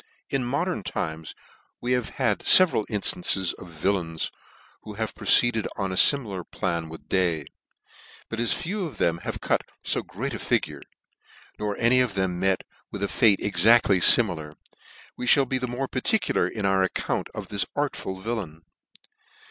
IN modern times we have had feveral inflances of villains who have proceeded on a fimilar plan with Day i but as few of them have cut fo great a figure, nor any of them met with a fate exactly fimilar, we mall be the more particular in our account of this artful villain.